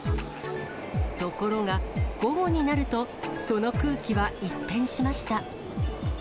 ところが午後になると、その空気は一変しました。